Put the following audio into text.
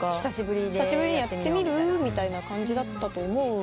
「久しぶりにやってみる？」みたいな感じだったと。